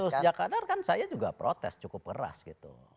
udah waktu sejak qatar kan saya juga protes cukup keras gitu